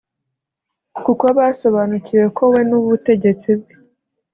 kuko basobanukiwe ko we n’ubutegetsi bwe